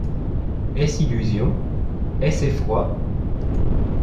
Est-ce illusion ? est-ce effroi ?